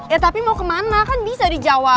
eh tapi mau kemana kan bisa dijawab